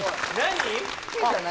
何？